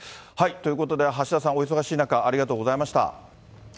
ということで、橋田さん、お忙しい中、ありがとうございました。